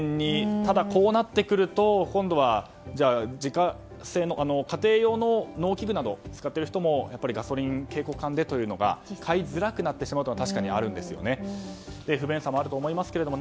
ただこうなってくると今度は、家庭用の農機具などを使っている人もやっぱりガソリン携行缶でというのが買いづらくなってしまうことが確かにあるんですよね。